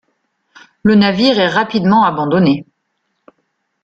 Le navire est rapidement abandonné.